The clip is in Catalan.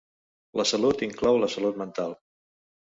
La salut inclou la salut mental.